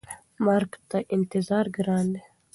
مرګ ته انتظار ګران دی.